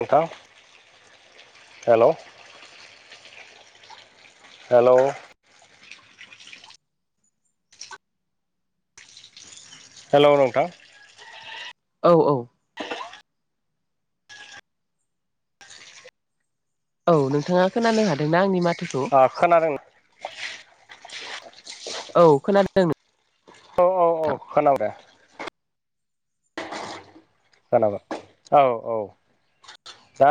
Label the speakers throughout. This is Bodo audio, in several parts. Speaker 1: नोंथां हेलौ हेलौ हेलौ नोंथां।
Speaker 2: औ औ। औ नोंथाङा खोनानो हादोंना आंनि माथोखौ?
Speaker 1: ओ खोनादों।
Speaker 2: औ खोनादों [unintelligible]
Speaker 1: औ औ औ
Speaker 2: नोंथां
Speaker 1: खोनाबाय। खोनाबाय औ औ। दा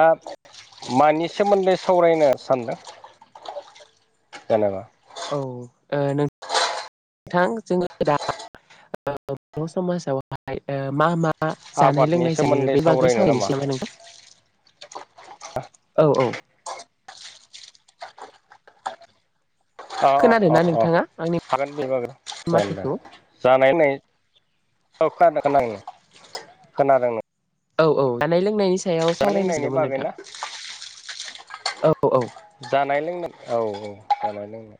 Speaker 1: मानि सोमोन्दै सावरायनो सान्दों? जेनेबा
Speaker 2: औ ओ नों नोंथां जोङो दा बर' समाजावहाय मा मा? मा जानाय
Speaker 1: आबादनि
Speaker 2: लोंनाय जायो
Speaker 1: सोमोन्दै
Speaker 2: बेनि बागै
Speaker 1: सावरायनो
Speaker 2: सावैनोसै नामा नोंथां? औ औ
Speaker 1: अ अ अ
Speaker 2: खोनादोंना
Speaker 1: अ
Speaker 2: नोंथाङा आंनि
Speaker 1: हागोन बेबाबो जागोन दे
Speaker 2: माथोखौ
Speaker 1: जानायनाय औ खोनादों खोनादों खोनादों नो
Speaker 2: औ औ जानाय लोंनायनि सायाव
Speaker 1: जानाय
Speaker 2: सावरायनो
Speaker 1: लोंनायनि
Speaker 2: सानदोंमोन
Speaker 1: बागै
Speaker 2: नोंथां
Speaker 1: ना
Speaker 2: औ औ
Speaker 1: जानाय- लोंनाय औ औ जानाय -लोंनाय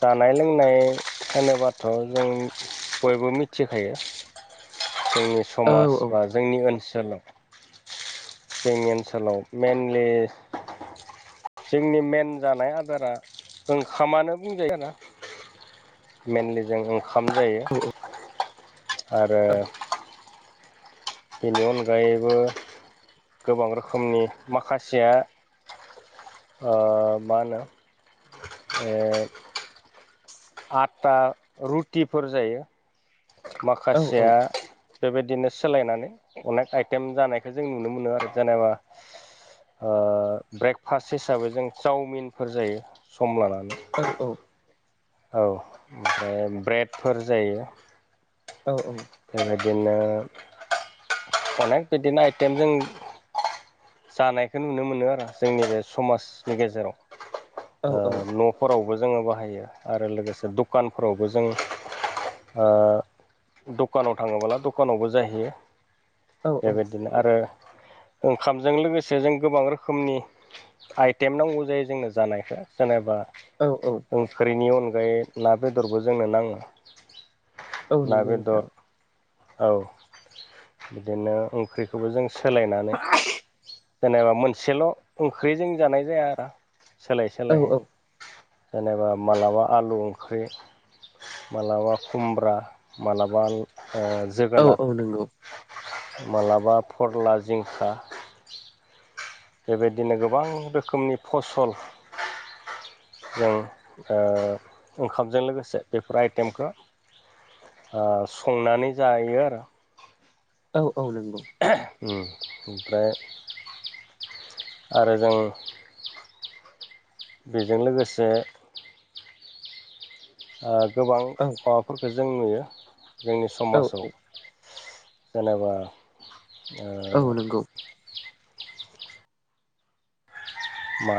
Speaker 1: जानाय लोंनाय होनोबाथ' जों बयबो मिथिखायो जोंनि
Speaker 2: औ
Speaker 1: समाज
Speaker 2: औ
Speaker 1: बा जोंनि ओनसोलाव जोंनि ओनसोलाव मेइनलि जोंनि मेन जानाय आदारा ओंखामानो बुंजायोना मेेइनलि जों ओंखाम जायो
Speaker 2: अ
Speaker 1: आरो बेनि अनगायैबो गोबां रोखोमनि माखासेया ओ मा होनो? ए आटा रुटिफोर जायो
Speaker 2: औ औ
Speaker 1: माखासेया बेबायदिनो सोलायनानै अनेख आइटेम जानायखौ जों नुनो मोनो आरो जेनेबा ओ ब्रेकफास्ट हिसाबै जों चावमिनफोर जायो सम लानानै
Speaker 2: औ औ
Speaker 1: औ ओ ब्रेडफोर जायो
Speaker 2: औ औ
Speaker 1: बेबायदिनो अनेक बिदिनो आइटेम जों जानायखौ नुनो मोनो आरो जोंनि बे समाजनि गेजेराव ओ न' फोरावबो जोङो बाहायो आरो लोगोसे दखानफोरावबो जों ओ दखानाव थाङोबला दखानावबो जाहैयो
Speaker 2: औ
Speaker 1: बेबायदिनो आरो ओंखामजों लोगोसे जों गोबां रोखोमनि आइटेम नांगौ जायो जोंनो जानायखौ जेनेबा
Speaker 2: औ औ
Speaker 1: ओंख्रिनि अनगायै ना बेदरबो जोंनो नाङा।
Speaker 2: औ
Speaker 1: ना
Speaker 2: नंगौ नोंथां
Speaker 1: बेदर औ बिदिनो ओंख्रिखौबो जों सोलायनानै जेनेबा मोनसेल' ओंख्रि जों जानाय जाया आरो सोलाय
Speaker 2: औ
Speaker 1: सोलाय हाय
Speaker 2: औ
Speaker 1: जेनेबा मालाबा आलु ओंख्रि मालाबा खुमब्रा मालाबा ओ
Speaker 2: औ औ
Speaker 1: जोगोनार
Speaker 2: नंगौ
Speaker 1: माब्लाबा फोरला जिंखा बेबायदिनो गोबां रोखोमनि फसल जों ओ ओंखामजों लोगोसे बेफोर आइटेमखो ओ संनानै जायो आरो
Speaker 2: औ औ नंगौ
Speaker 1: ओम ओमफ्राय आरो जों बेजों लोगोसे ओ गोबां
Speaker 2: औ
Speaker 1: माबाफोरखौ जों नुयो जोंनि
Speaker 2: औ
Speaker 1: समाजाव जेनेबा
Speaker 2: औ
Speaker 1: ओ
Speaker 2: नंगौ
Speaker 1: मा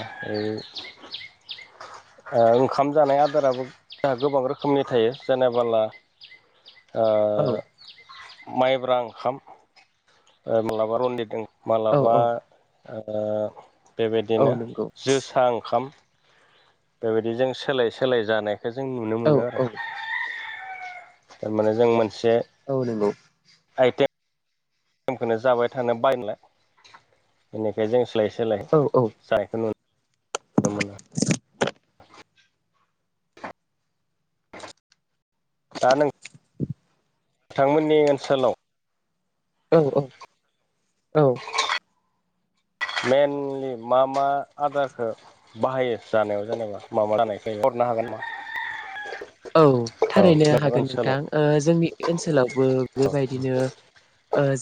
Speaker 1: ओ [unintelligible] ओ ओंखाम जानाय आदाराबो गोबां रोखोमनि थायो जेनेबाला [unintelligible] ओ
Speaker 2: औ
Speaker 1: माइब्रा ओंखाम ओ मालाबा रन्जित ओं
Speaker 2: औ
Speaker 1: मालाबा
Speaker 2: औ
Speaker 1: ओ
Speaker 2: औ
Speaker 1: बेबायदिनो
Speaker 2: नंगौ
Speaker 1: जोसा ओंखाम बेबायदि जों सोलाय सोलाय जानायखौ जों नुनो
Speaker 2: औ
Speaker 1: मोनो
Speaker 2: औ
Speaker 1: आरो थारमाने जों मोनसे
Speaker 2: औ नंगौ
Speaker 1: आइटेम खौनो जाबाय थानो बायो नालाय बेनिखाय जों सोलाय सोलाय
Speaker 2: औ औ
Speaker 1: जानायखौ नुनो मोनो दा नों थांमोननि ओनसोलाव
Speaker 2: औ औ औ
Speaker 1: मेइनलि मा मा आदारखौ बाहायो जानायाव जेनेबा माबा जानायखाय फोरमायनो हागोन नामा
Speaker 2: औ थारैनो
Speaker 1: औ
Speaker 2: हागोन नोंथां
Speaker 1: ओनसोलाव
Speaker 2: जोंनि ओनसोलावबो बेबायदिनो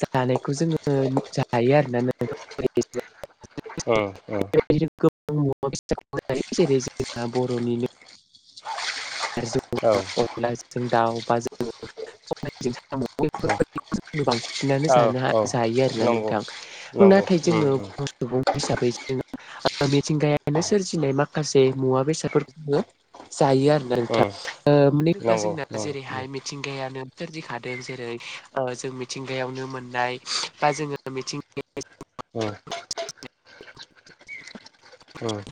Speaker 2: जानायखौ जोङो जायो आरोना नोंथां बेबायदिनो
Speaker 1: ओ ओ
Speaker 2: गोबां मुवा बेसादखौ जायो जेरै जोंना बर'निनो नारजि अमा अनलाजों दाव बा जोङो सबायजों साम'
Speaker 1: औ
Speaker 2: बेफोरबायदिखौ जों बांसिनानो जानो हा जायो आरोना नोंथां
Speaker 1: नांगौ
Speaker 2: नाथाय
Speaker 1: उम
Speaker 2: जोङो
Speaker 1: उम
Speaker 2: बर' सुबुं हिसाबै जोङो मिथिंगायानो सोरजिनाय माखासे मुवा बेसादफोरखौ जोङो जायो आरोना नोंथां
Speaker 1: उम
Speaker 2: मानो होनब्ला
Speaker 1: नंगौ
Speaker 2: जोंना
Speaker 1: नंगौ उम
Speaker 2: जेरैहाय मिथिं गायानो सोरजिखादों जेरै जों मिथिंगायावनो मोननाय बा जोङो मिथिंगायाव
Speaker 1: औ औ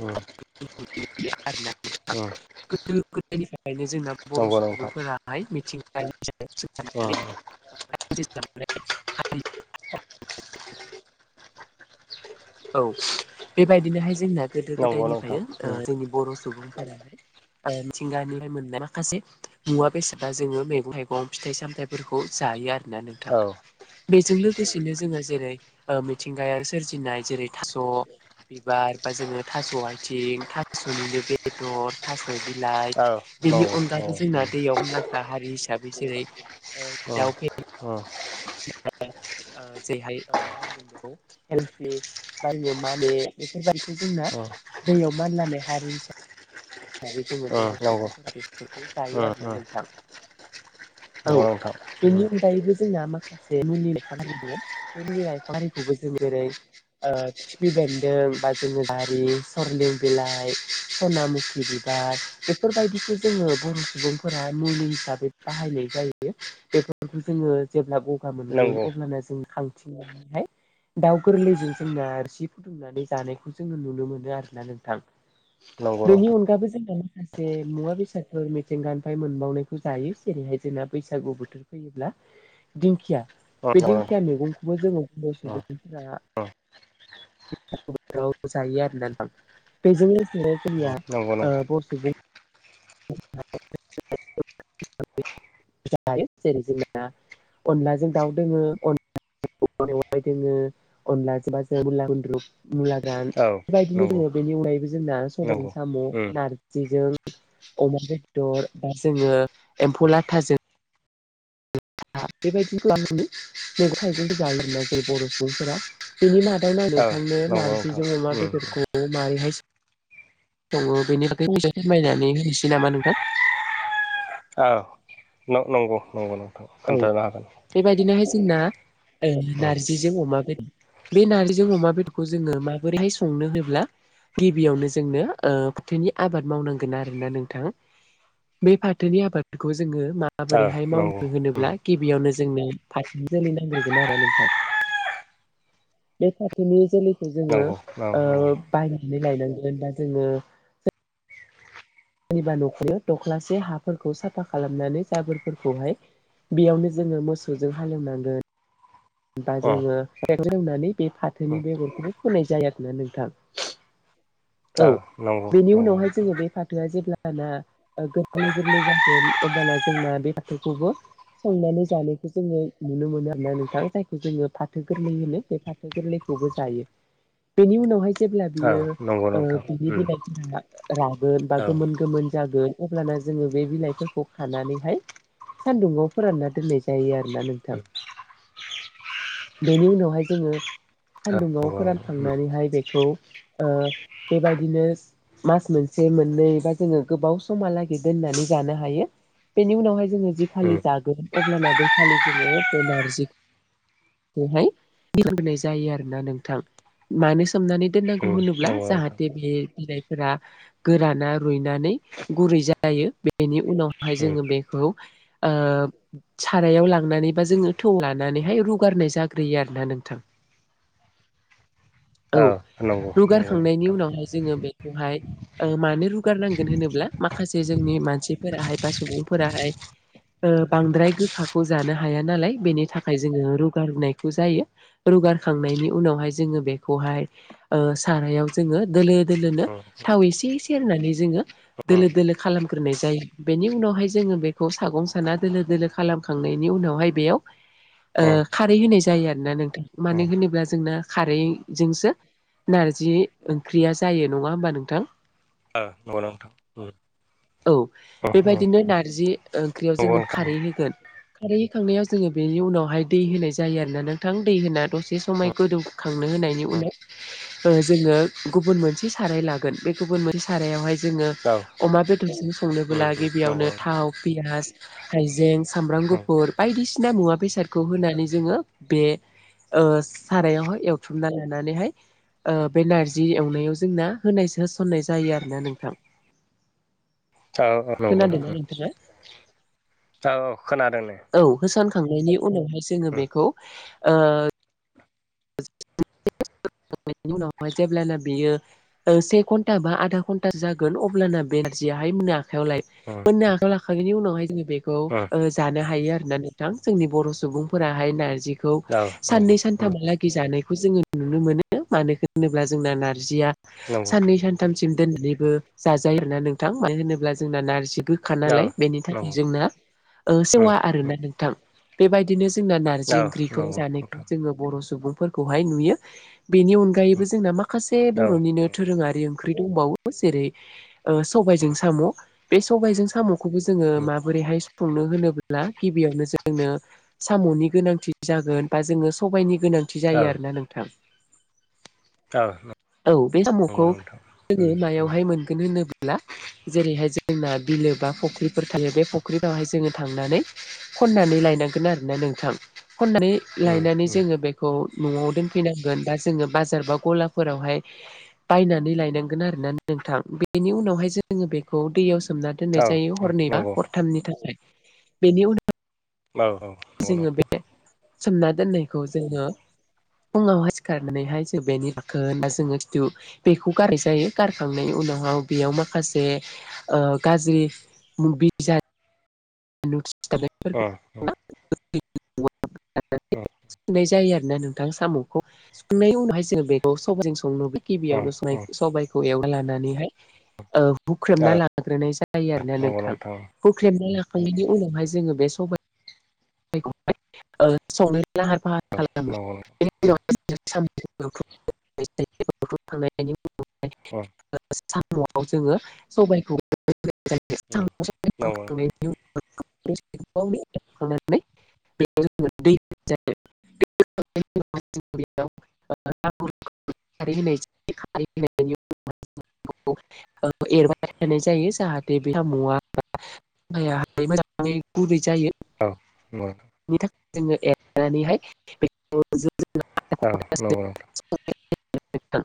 Speaker 1: औ
Speaker 2: [unintelligible] गोदो गोदोनिफ्रायनो जोंना बर'
Speaker 1: नंगौ नोंथां
Speaker 2: सुबुंफोरा मिथिंगा [unintelligible]
Speaker 1: उम
Speaker 2: औ बेबायदिनोहाय जोंना गोदो
Speaker 1: नंगौ नोंथां
Speaker 2: गोदायनिफ्रायनो ओ
Speaker 1: उम
Speaker 2: जोंनि बर' सुबुंफोराहाय मिथिंगानिफ्राय मोननाय माखासे मुवा बेसादा जोङो मैगं थाइगं फिथाइ सामथाइ फोरखौ जायो आरो
Speaker 1: औ
Speaker 2: नोंथां बेजों लोगोसेनो जोङो जेरै मिथिंगाया सोरजिनाय जेरै थास' बिबार बा जोङो थास' आथिं थास'निनो बेदर थास' बिलाइ
Speaker 1: औ
Speaker 2: बेनि
Speaker 1: नंगौ नंगौ
Speaker 2: अनगाैबो जोंना दैयाव मानलाग्रा हारि हिसाबै जेरै
Speaker 1: औ
Speaker 2: दाउ फे
Speaker 1: औ
Speaker 2: [unintelligible] बेफोरबायदिखौ जोंना
Speaker 1: उम
Speaker 2: दैयाव मानलानाय हारि हिसाबै दायो जोङो
Speaker 1: उम
Speaker 2: बर'
Speaker 1: नंगौ
Speaker 2: सुबुंफोरा बेफोरखौ
Speaker 1: उम
Speaker 2: जायो आरोना नोंथां औ
Speaker 1: नंगौ नोंथां उम
Speaker 2: बेनि अनगायैबो जोंना माखासे जे मुलिफोर दं बेु मुलि लायफांफोरखौबो जों जेरै खिफि बेन्दों बा जोङो बारि सरलिं बिलाइ सना मु नि बिबार बेफोरबायदिखौ जोङो बर' सुबुंफोरा मुलि हिसाबै बाहायनाय जायो बेफोरखौ जोङो जेब्ला गगा मोनगोन अब्लाना जों खांथिंनानैहाय दाउ गोरलैजों जोंना रोसि फुदुंनानै जानायखौ जोङो नुनो मोनो आरो ना नोंथां बेनि अनगा बो जोंना माखासे मुवा बेसादफोर मिथिंगानिफ्राय मोनबावनायखौ जायो जेरैहाय जोंना बैसागु बोथोर बोथोर फैयोब्ला
Speaker 1: [inaudible]
Speaker 2: दिंखिया बे दिंखिया मैगंखौबो जोङो बर' सुबुंफोरा बैसागो बोथोराव जायो आरोना नोंथां बेजों लोगोसे जोंनिया
Speaker 1: नंगौ नंगौ नोंथां नंगौ नोंथां नंगौ
Speaker 2: ओ
Speaker 1: नोंथां
Speaker 2: बर' सुबुं [unintelligible] [unintelligible] जेरै जोंना अनलाजों दाउ दोङो अन [unintelligible] एवनाय जायो अनलाजों जोङो मुला गुन्द्रु मुला गोरान
Speaker 1: औ
Speaker 2: बेबायदिनो
Speaker 1: नंगौ
Speaker 2: जोङो बेनि अनगायैबो जोंना सबायजों
Speaker 1: नंगौ
Speaker 2: साम'
Speaker 1: उम
Speaker 2: नारजि जेजों अमा बेदर बा जोङो एम्फौ लाथाजों [unintelligible] मैगं थाइगंखौ जायोमोन आरो ना बर' सुबुंफोरा बेनि मादाव नायो [unintelligible]
Speaker 1: औ
Speaker 2: नोंथांनो
Speaker 1: नंगौ नोंथां
Speaker 2: नारजिजों अमा
Speaker 1: उम
Speaker 2: बेदरखौ मारैहाय सङो बेनि थाखाय एसे फोरमायनानै होनोसै नामा नोंथां
Speaker 1: औ नंगौ नंगौ
Speaker 2: औ
Speaker 1: खोन्थानो हागोन
Speaker 2: बेबायदिनोहाय जोंना ओ
Speaker 1: उम
Speaker 2: नारजि जों अमा बेदर बे नारजिजों अमा बेदरखौ जोङो माबोरैहाय सङो होनोब्ला गिबियावनो जोंनो ओ फाथोनि आबाद मावनांगोन आरोना नोंथां बे फाथोनि आबादखौ जोङो
Speaker 1: औ
Speaker 2: माबोरैहाय माव
Speaker 1: नंगौ उम
Speaker 2: गिबियावनो जोंनो फाथो जोलै नांग्रोगोन आरो नोंथां बे फाथोनि जोलैखौ जोङो
Speaker 1: नंगौ
Speaker 2: बायनानै लायनांगोन बा जोङो सोरनिबा न'खराव दख्लासे हाफोरखौ साफा खालामनानै जाबोरफोरखौहाय बेयावनो जोङो मोसौजों हालेवनांगोन बा
Speaker 1: औ
Speaker 2: जोङो [unintelligible] ट्रेक्टर होनानै बे फाथोनि बेगरखौ फोनाय जायो आरोना नोंथां औ
Speaker 1: नंगौ अ
Speaker 2: बेनि
Speaker 1: उम औ नंगौ
Speaker 2: उनावहाय
Speaker 1: नोंथां
Speaker 2: जोङो बे फाथोआ जेब्ला दाना गोरलै गोरलै जागोन अब्लाना जोंना बे फाथोखौबो संनानै जानायखौ जोङो नुनो मोनो आरोना नों थां जायखौ जोङो फाथो गोरलै होनो बे फाथो गोरलैखौबो जायो बेनि उनावहाय जेब्ला
Speaker 1: औ
Speaker 2: बियो
Speaker 1: नंगौ
Speaker 2: ओ
Speaker 1: नोंथां
Speaker 2: बिनि
Speaker 1: उम
Speaker 2: बिलाइफोरा रागोन बा
Speaker 1: औ
Speaker 2: गोमोन गोमोन जागोन अब्लाना जोङो बे बिलाइफोरखौ खानानैहाय सान्दुङाव फोरानना दोननाय जायो आरो होननानै
Speaker 1: उम
Speaker 2: नोंथां बेनि उनावहाय जोङो
Speaker 1: औ
Speaker 2: सानदुङाव फोरानखांनानैहाय बेखौ ओ बेबायदिनो मास मोनसे मोननै बा जोङो गोबाव समहालागै दोननानै जानो हायो बेनि उनावहाय जोङो जि खालि जागोन अब्लाना बै खालि जोङो बे नारजि खौहाय [unintelligible] जायो आरोना नोंथां मानो सोमनानै दोननांगौ होनोब्ला
Speaker 1: नंगौ नोंथां
Speaker 2: जाहाथे बे बिलाइ फोर गोराना रुइनानै गुरै जायो बेनि उनावहाय
Speaker 1: उम
Speaker 2: जोङो बे खौ ओ सारायाव लांनानै बा जोङो थौ लानानै रु गारनाय जाग्रोयो आरोना नोंथां
Speaker 1: औ उम नंगौ नोंथां उम नंगौ नंगौ
Speaker 2: रुगारखांनायनि
Speaker 1: नोंथां
Speaker 2: उनावहाय जोङो बेखौहाय मानो रुगारनांगोन होनोब्ला माखासे जोंनि मानसिफोराहाय बा सुबुंफोराहाय ओ बांद्राय गोखाखौ जानो हाया नालाय बेनि थाखाय जोङो रु गारनायखौ जायो रुगारखांनायनि उनावहाय जोङो बेखौहाय ओ सारायाव जोङो दोलो दोलोनो
Speaker 1: उम
Speaker 2: थाव एसे सेरनानै जोङो
Speaker 1: उम उम
Speaker 2: दोलो दोलो खालाम ग्रोनाय जायो बेनि उनावहाय जोङो बेखौ सागं साना दोलो दोलो खालामखांनायनि उनावहाय बेयाव
Speaker 1: [inaudible]
Speaker 2: ओ खारै होनाय जायो आरोना नोंथां
Speaker 1: उम
Speaker 2: मानो होनोब्ला जोंना खारै जोंसो नारजि ओंख्रिया जायो नङा होमबा नोंथां
Speaker 1: ओ नंगौना नोंथां उम औ औ
Speaker 2: औ बेबायदिनो नारजि ओंख्रियाव जोङो खारै होगोन खारै होखांनायाव जोङो बेनि उनावहाय दै होनाय जायो आरोना नोंथां दै होना दसे समाय गोदौ खांनो होनायनि उनाव ओ जोङो गुबुन मोनसे साराइ लागोन बे गुबुन मोनसे सारायावहाय जोङो अमा बेदरजों संनोबोब्ला गिबियावनो थाव पियास हाइजें सामब्राम गुफुर बायदिसिना मुवा बेसादखौ होनानै जोङो बे ओ सारायावहाय एवथ्रमना लानानैहाय ओ बे नारजि एवनायाव जोंना होनायसो होसननाय जायो आरो ना नोंथां
Speaker 1: औ औ नंगौ
Speaker 2: खोनादोंना नोंथाङा?
Speaker 1: औ औ खोनादों दे
Speaker 2: औ होसोनखांनायनि उनावहाय जोङो बेखौ [unintelligible] उनावहाय जेब्लाना बियो ओ से घन्टा बा आधा घन्टा जागोन अब्लाना बे नारजियाहाय मोनो आखायाव लायो
Speaker 1: उम
Speaker 2: मोननो आखायाव लाखांनायनि उनावहाय जोङो बेखौ
Speaker 1: उम
Speaker 2: जानो हायो आरोना नोंथां जोंनि बर' सुबुंफोराहाय नारजिखौ
Speaker 1: औ नंगौ
Speaker 2: साननै
Speaker 1: उम
Speaker 2: सानथामहाला गै जानायखौ जोङो नुनो मोनो मानो होनोब्ला जोंना नारजिया
Speaker 1: नंगौ
Speaker 2: साननै सान
Speaker 1: उम
Speaker 2: थामसिम दोननानैबो जाजायो आरोना नोंथां मानो होनोब्ला जोंना नारजि खा
Speaker 1: औ
Speaker 2: नालाय बेनि थाखाय
Speaker 1: नंगौ
Speaker 2: जोंना
Speaker 1: उम उम
Speaker 2: सेवा आरोना नोंथां बेबायदिनो जोंना नारजि
Speaker 1: औ
Speaker 2: ओंख्रिखौ
Speaker 1: नंगौ
Speaker 2: जानायखौ
Speaker 1: नोंथां
Speaker 2: जोङो बर' सुबुं फोरखौहाय नुयो बेनि
Speaker 1: उम
Speaker 2: अनगायैबो जोंना माखासे
Speaker 1: औ
Speaker 2: बर'निनो दोरोङारि ओंख्रि दंबावो जेरै ओ सबायजों साम' बे सबायाइजों साम'खौ बे खौबो जोङो माबोरैहाय संनो होनोब्ला गिबियावनो जोंनो साम'नि गोनांथि जागोन बा जोङो सबायाइनि गोनांथि
Speaker 1: औ
Speaker 2: जायो आरोना नोंथां औ बे
Speaker 1: नंगौ
Speaker 2: साम'खौ
Speaker 1: नोंथां
Speaker 2: जोङो मायावहाय मोनगोन होनोब्ला ला जेरैहाय जोंना बिलो बा फख्रिफोर थायो बे फख्रिफोरावहाय जोङो थांनानै खननानै लायनांगोन आरोना नोंथां खननानै
Speaker 1: औ
Speaker 2: लायनानै
Speaker 1: नंगौ
Speaker 2: जोङो बेखौ खौ न'आव दोनफैनांगोन बा जोङो बाजार बा गलाफोरावहाय बायनानै लायनांगोन आरोना नोंथां बेनि उनावहाय जोङो बेखौ दैयाव सोमनानै
Speaker 1: औ
Speaker 2: दोननाय जायो हरनैबा
Speaker 1: नंगौ
Speaker 2: हरथामनि थाखाय बेनि उनाव
Speaker 1: औ औ
Speaker 2: जोङो बे सोमना दोननायखौ जोङो फुङावहाय सिखारनानैहाय जों बेनि दाखोन आरो जोङो खिथु बेखौ गाराय जायो गारखांनायनि उनाव बेयाव माखासे गाज्रि [unintelligible]
Speaker 1: औ नंगौ
Speaker 2: [unintelligible] थां साम'खौ संनायनि उनावहाय जोङो बेखौ सबायजों संनो नयो गिबियावनो संनाय सबाय एवना लानानैहाय हुख्रेमना लाग्रोनाय जायो आरोना नोंथां होख्रेमना लाखांनायनि उनावहाय जोङो बे सबाय संनो लाहार फाहार खालामो
Speaker 1: नंगौ नंगौ
Speaker 2: बेनि उनाव साम एवना लानायखौ होनाय जायो होखांनायनि उनाव साम'आव जोङो सबायखौ
Speaker 1: नंगौ औ नंगौ औ
Speaker 2: [unintelligible] बे जों दै [inaudible] [unintelligible] एरबाय थानाय जायो जाहाथे बे साम'आ सामवाहाय मोजाङै गुरै जायो
Speaker 1: औ नंगौ
Speaker 2: बेनि थाखाय जोङो एरनानैहाय बे
Speaker 1: औ नंगौ
Speaker 2: [unintelligible]